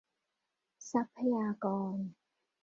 ทรัพยากร